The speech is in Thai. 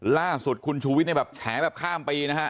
ล่าสุดคุณชูวิทย์เนี่ยแบบแฉแบบข้ามปีนะฮะ